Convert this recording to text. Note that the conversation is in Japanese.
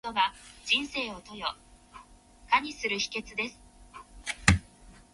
夢を追い求めることが、人生を豊かにする秘訣です。